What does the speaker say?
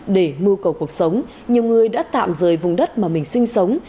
để mưu cầu cuộc sống nhiều người đã tạm rời vùng đất mà mình sinh sống